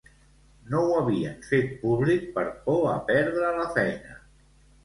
No ho havien fet públic per por a perdre la feina.